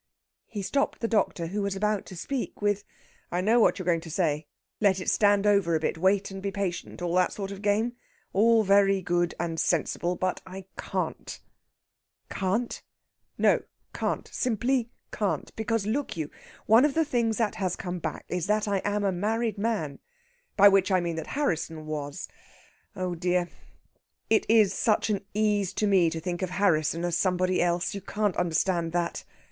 He stopped the doctor, who was about to speak, with: "I know what you are going to say; let it stand over a bit wait and be patient all that sort of game! All very good and sensible, but I can't!" "Can't?" "No! Can't simply can't. Because, look you! One of the things that has come back is that I am a married man by which I mean that Harrisson was. Oh dear! It is such an ease to me to think of Harrisson as somebody else. You can't understand that."